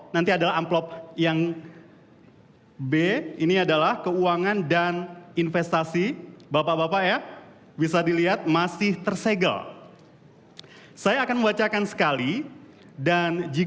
nanti adalah amplop yang b ini adalah keuangan dan investasi